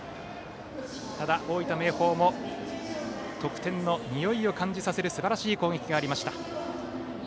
ただ、大分・明豊も得点のにおいを感じさせるすばらしい攻撃がありました。